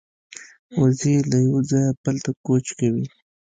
وزې له یوه ځایه بل ته کوچ کوي